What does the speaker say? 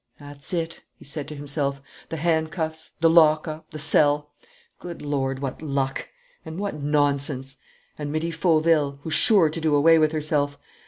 "That's it," he said to himself. "The handcuffs, the lockup, the cell! Good Lord, what luck and what nonsense! And Marie Fauville, who's sure to do away with herself.